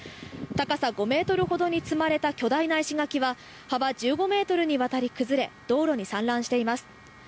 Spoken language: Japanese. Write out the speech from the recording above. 高さ５ｍほどに積まれた巨大な石垣は幅１５ｍにわたり崩れ道路に散乱しています。